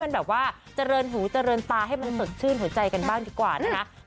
มันแบบว่าเจริญหูเจริญตาให้มันสดชื่นหัวใจกันบ้างดีกว่านะคะ